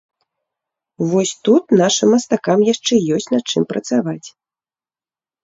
Вось тут нашым мастакам яшчэ ёсць над чым працаваць.